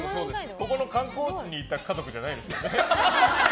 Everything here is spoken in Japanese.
ここの観光地にいた家族じゃないですよね。